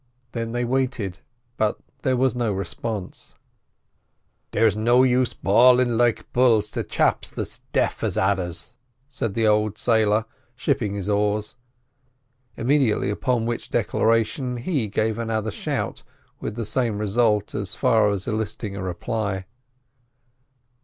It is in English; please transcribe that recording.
Then they waited, but there was no response. "There's no use bawlin' like bulls to chaps that's deaf as adders," said the old sailor, shipping his oars; immediately upon which declaration he gave another shout, with the same result as far as eliciting a reply.